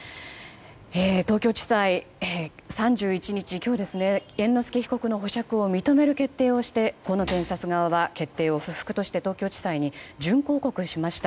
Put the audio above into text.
東京地裁は今日３１日猿之助被告の保釈を認める決定をして検察側は決定を不服として東京地裁に準抗告しました。